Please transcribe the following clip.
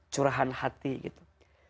curahan hati gitu